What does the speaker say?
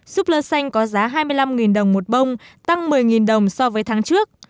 giúp lớn xanh có giá hai mươi năm đồng một bông tăng một mươi đồng so với tháng trước